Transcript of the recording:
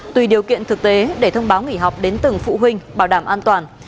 tùy điều kiện thực tế để thông báo nghỉ học đến từng phụ huynh bảo đảm an toàn